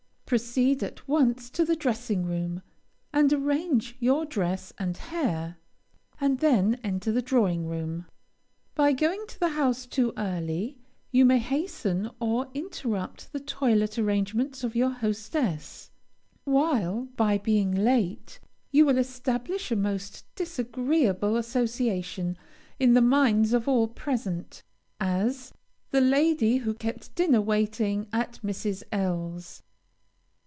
Proceed at once to the dressing room, and arrange your dress and hair, and then enter the drawing room. By going to the house too early, you may hasten or interrupt the toilet arrangements of your hostess; while, by being late, you will establish a most disagreeable association in the minds of all present, as "the lady who kept dinner waiting at Mrs. L 's."